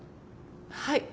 はい。